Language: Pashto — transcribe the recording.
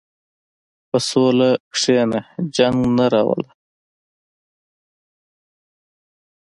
په سوله کښېنه، جنګ نه راوله.